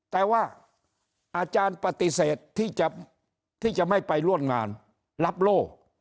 แต่ว่าอาจารย์ปฏิเสธที่จะไม่ไปร่วมงานรับโล่